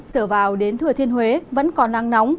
trở vào đến thừa thiên huế vẫn còn nắng nóng